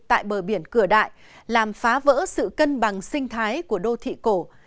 tại bờ biển cửa đại làm phá vỡ sự cân bằng sinh thái của đô thị cổ